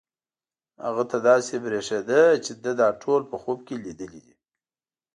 هغه ته داسې برېښېده چې ده دا ټول په خوب کې لیدلي دي.